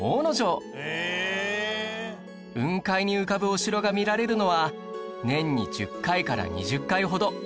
雲海に浮かぶお城が見られるのは年に１０回から２０回ほど